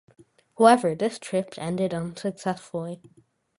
However, this trip ended unsuccessfully.